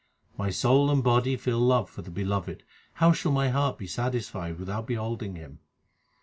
My soul and body feel love for the Beloved ; how shall my heart be satisfied without beholding Him